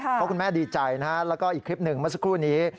เพราะคุณแม่ดีใจนะฮะแล้วก็อีกคลิปหนึ่งเมื่อสักครู่นี้